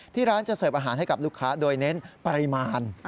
ที่ร้านจะเสิร์ฟอาหารให้กับลูกค้าโดยเน้นปริมาณ